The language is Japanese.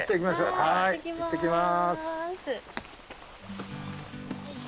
はいいってきます。